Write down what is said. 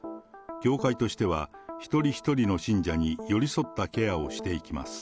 教会としては、一人一人の信者に寄り添ったケアをしていきます。